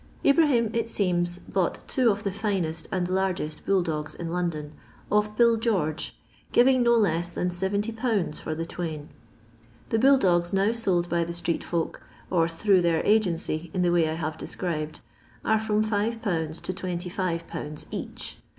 Ibrahim, it seems, bought two of the finest and largest bull dogs in London, of Bill George, giving no less than 70/. for the twain. The bull dogs now sold by the street folk, or through their agency in the way I have described, are from 6/. to 251. each.